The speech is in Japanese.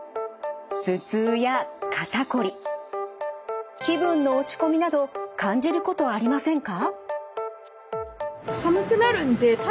頭痛や肩こり気分の落ち込みなど感じることありませんか？